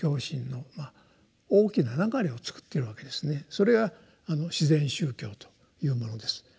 それが「自然宗教」というものです。